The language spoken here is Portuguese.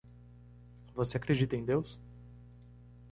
Você acredita em Deus?